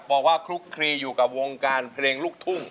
คลุกคลีอยู่กับวงการเพลงลูกทุ่ง